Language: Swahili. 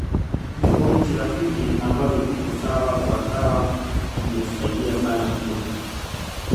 Zipo Nchi rafiki ambazo tupo sawa kwa sawa zimetusaidia sana pia